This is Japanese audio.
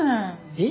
えっ？